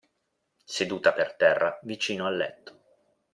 Seduta per terra, vicino al letto.